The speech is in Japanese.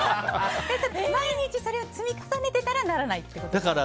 毎日それを積み重ねてたらならないってことですよね。